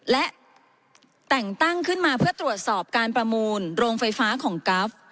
และแต่งตั้งขึ้นมาเพื่อตรวจสอบการประมูลโรงไฟฟ้าของกราฟ